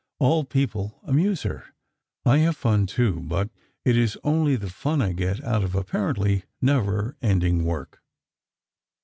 All people amuse her.... I have fun, too, but it is only the fun I get out of apparently never ending work."